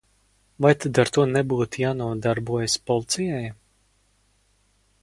Vai tad ar to nebūtu jānodarbojas policijai?